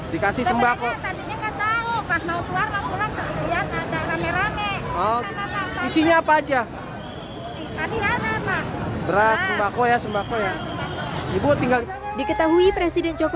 dikasih sembako isinya apa aja beras makanya sembako ya ibu tinggal diketahui presiden joko